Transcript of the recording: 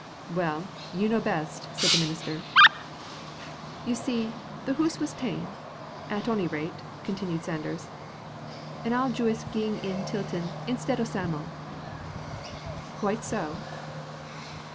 "Well, you know best," said the minister. "You see, the hoose was taen, at ony rate," continued Sanders. "An' I'll juist ging in til't instead o' Sam'l." "Quite so."